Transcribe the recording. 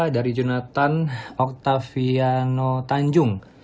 dari jonathan octaviano tanjung